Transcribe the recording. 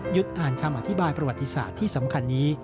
อ่านคำอธิบายประวัติศาสตร์ที่สำคัญนี้